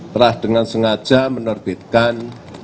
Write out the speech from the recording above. telah dengan sengaja menerbitkan